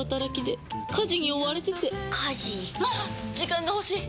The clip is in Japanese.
時間が欲しい！